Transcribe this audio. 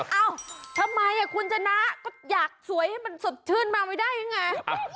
เอ้าทำไมคุณชนะก็อยากสวยให้มันสดชื่นมาไม่ได้ยังไง